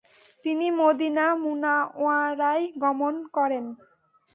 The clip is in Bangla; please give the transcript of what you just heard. তিনি মদীনা মুনাওয়ারায় গমণ করেন।